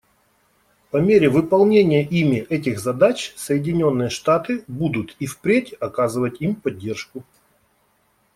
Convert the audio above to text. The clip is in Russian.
По мере выполнения ими этих задач Соединенные Штаты будут и впредь оказывать им поддержку.